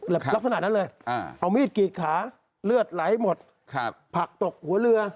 ลักษณะนั้นเลยเอามีดกรีดขาเลือดไหลหมดผักตกหัวเรือ